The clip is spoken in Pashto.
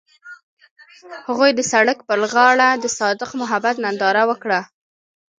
هغوی د سړک پر غاړه د صادق محبت ننداره وکړه.